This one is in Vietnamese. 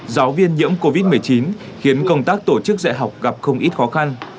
giáo viên nhiễm covid một mươi chín khiến công tác tổ chức dạy học gặp không ít khó khăn